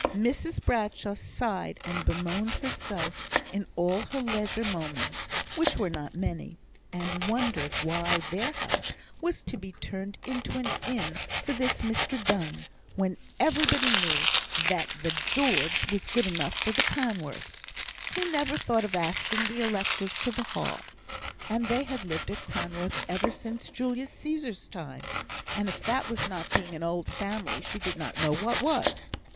Mrs Bradshaw sighed and bemoaned herself in all her leisure moments, which were not many, and wondered why their house was to be turned into an inn for this Mr Donne, when everybody knew that the George was good enough for the Cranworths, who never thought of asking the electors to the Hall; and they had lived at Cranworth ever since Julius Caesar's time, and if that was not being an old family, she did not know what was.